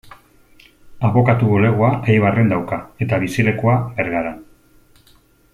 Abokatu bulegoa Eibarren dauka, eta bizilekua Bergaran.